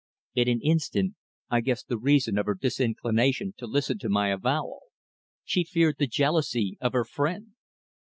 In an instant I guessed the reason of her disinclination to listen to my avowal. She feared the jealousy of her friend!